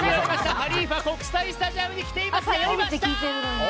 ハリーファ国際スタジアムに来ています！